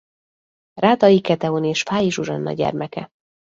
Ráday Gedeon és Fáy Zsuzsanna gyermeke.